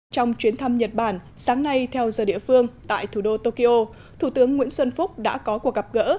trong chuyến thăm nhật bản sáng nay theo giờ địa phương tại thủ đô tokyo thủ tướng nguyễn xuân phúc đã có cuộc gặp gỡ